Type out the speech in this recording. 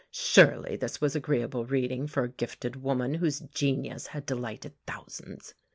Surely this was agreeable reading for a gifted woman whose genius had delighted thousands!